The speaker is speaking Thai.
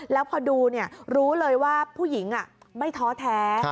แล้วพอดูรู้เลยว่าผู้หญิงไม่ท้อแท้